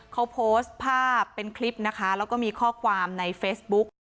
เขาโพสต์ภาพเป็นคลิปนะคะแล้วก็มีข้อความในเฟซบุ๊ก